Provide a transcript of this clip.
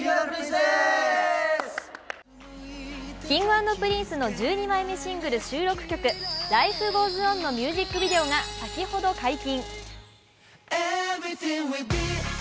Ｋｉｎｇ＆Ｐｒｉｎｃｅの１２枚目シングル収録曲、「Ｌｉｆｅｇｏｅｓｏｎ」のミュージックビデオが先ほど解禁。